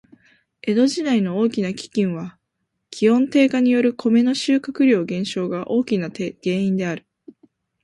江戸時代の大きな飢饉は、気温低下によるコメの収穫量減少が大きな原因である。